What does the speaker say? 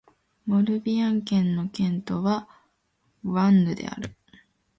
モルビアン県の県都はヴァンヌである